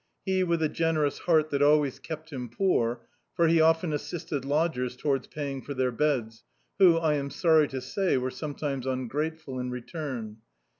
He with a generous heart that always kept him poor, for he often assisted lodgers towards paying for their beds, who, I am sorry to say, were sometimes un grateful in return.